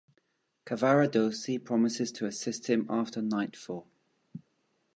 Cavaradossi promises to assist him after nightfall.